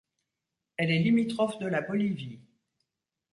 Elle est limitrophe de la Bolivie.